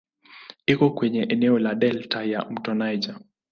Iko kwenye eneo la delta ya "mto Niger".